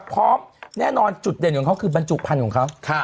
พร้อมแน่นอนจุดเด่นของเขาคือบรรจุพันธุ์ของเขา